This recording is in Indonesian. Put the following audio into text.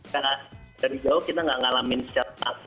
kita di jauh kita nggak ngalamin secepat